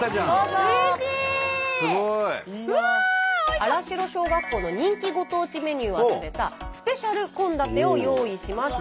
新城小学校の人気ご当地メニューを集めたスペシャル献立を用意しました。